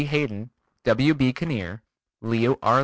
Hayden, W.B. Kinnear, Leo R.